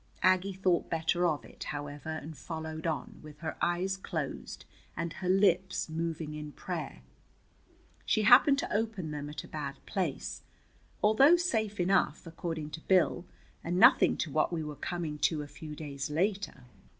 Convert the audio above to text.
Aggie thought better of it, however, and followed on, with her eyes closed and her lips moving in prayer. She happened to open them at a bad place, although safe enough, according to Bill, and nothing to what we were coming to a few days later.